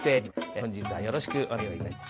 本日はよろしくお願いをいたします。